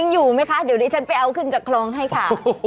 เดี๋ยวนี้ฉันไปเอาขึ้นจากคลองให้ค่ะ